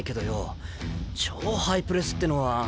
超ハイプレスってのは。